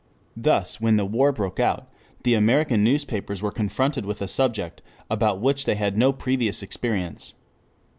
Thus when the war broke out, the American newspapers were confronted with a subject about which they had no previous experience.